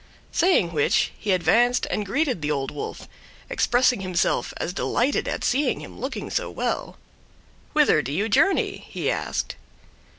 Saying which, he advanced and greeted the Old Wolf, expressing himself as delighted at seeing him looking so well. "Whither do you journey?" he asked.